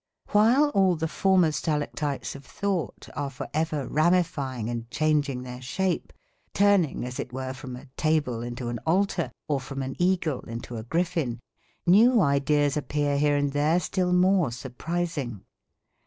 While all the former stalactites of thought are for ever ramifying and changing their shape, turning as it were from a table into an altar, or from an eagle into a griffin, new ideas appear here and there still more surprising.